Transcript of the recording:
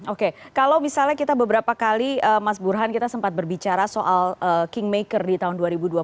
oke kalau misalnya kita beberapa kali mas burhan kita sempat berbicara soal kingmaker di tahun dua ribu dua puluh